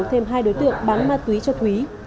thêm hai đối tượng bán ma túy cho thúy